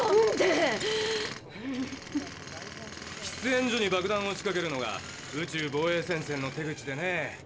喫煙所に爆弾を仕かけるのが宇宙防衛戦線の手口でね。